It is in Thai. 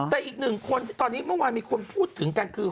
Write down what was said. แต่อีกหนึ่งคนที่ตอนนี้เมื่อวานมีคนพูดถึงกันคือ